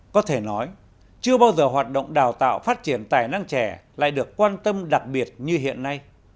có thể nói chưa bao giờ hoạt động đào tạo phát triển tài năng trẻ lại được quan tâm đặc biệt như hiện nay